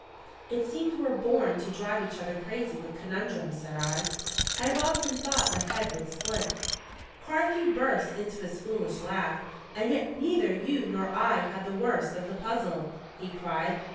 "It seems we were born to drive each other crazy with conundrums," said I. "I have often thought my head would split." Carthew burst into his foolish laugh. "And yet neither you nor I had the worst of the puzzle," he cried.